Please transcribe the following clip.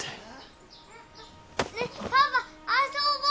ねえパパ遊ぼう！